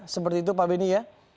seperti itu pak beni ya